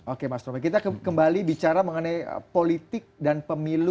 oke mas romel kita kembali bicara mengenai politik dan pemilu dua ribu sembilan belas